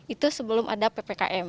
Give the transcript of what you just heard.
itu sebelum ada ppkm